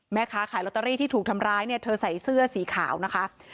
แม่ค้าขายลอตเตอรี่ที่ถูกทำร้ายเนี่ยเธอใส่เสื้อสีขาวนะคะ